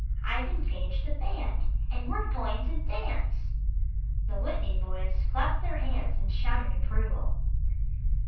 I've engaged the band, and we're going to dance.'" The Whitney boys clapped their hands and shouted approval.